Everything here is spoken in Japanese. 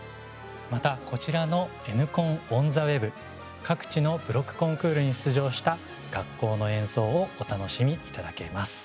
また、こちらの「ＮコンｏｎｔｈｅＷｅｂ」各地のブロックコンクールに出場した学校の演奏をお楽しみいただけます。